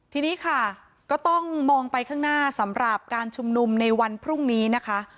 ทีนี้ค่ะก็ต้องมองไปข้างหน้าสำหรับการชุมนุมในวันพรุ่งนี้นะคะ